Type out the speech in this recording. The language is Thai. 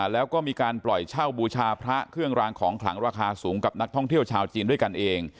แล้วก็มีการปล่อยเช่าบูชาพระเครื่องรางของขลังราคาสูงกับนักท่องเที่ยวชาวจีนด้วยกันเอง